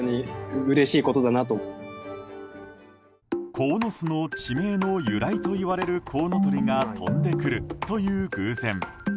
鴻巣の地名の由来といわれるコウノトリが飛んでくるという偶然。